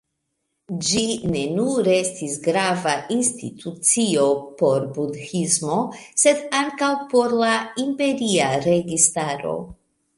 Ĝi ne nur estis grava institucio por budhismo, sed ankaŭ por la imperia registaro.